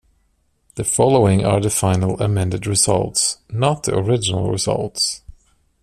The following are the final amended results, not the original results.